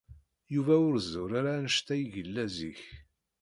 Yuba ur zur ara anect ay yella zik.